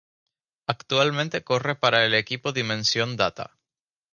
Actualmente corre para el equipo Dimension Data.